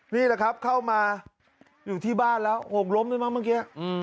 นี่แหละครับเข้ามาอยู่ที่บ้านแล้วหกล้มด้วยมั้งเมื่อกี้